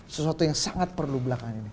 sesuatu yang sangat perlu belakangan ini